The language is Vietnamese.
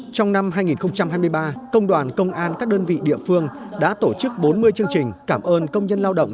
trong năm hai nghìn hai mươi ba công đoàn công an các đơn vị địa phương đã tổ chức bốn mươi chương trình cảm ơn công nhân lao động